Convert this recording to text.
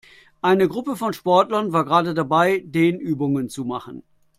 Eine Gruppe von Sportlern war gerade dabei, Dehnübungen zu machen.